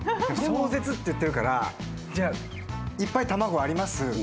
壮絶っていってるからいっぱい卵あります。